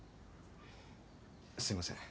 すいません。